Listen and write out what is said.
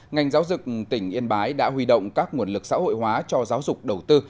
ngành giáo dục tỉnh yên bái đã huy động các nguồn lực xã hội hóa cho giáo dục đầu tư